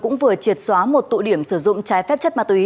cũng vừa triệt xóa một tụ điểm sử dụng trái phép chất ma túy